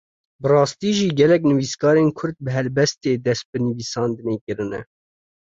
Bi rastî jî gelek nivîskarên Kurd bi helbestê dest bi nivîsandinê kirine.